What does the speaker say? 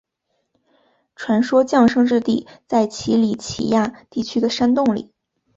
传说降生之地在奇里乞亚地区的山洞里。